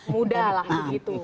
mudah lah begitu